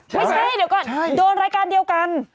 ไม่ใช่เดี๋ยวก่อนโดนรายการเดียวกัน